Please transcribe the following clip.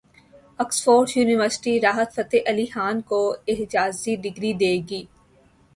Oxford university Rahat Fateh Ali Khan کو اعزازی degree دے گی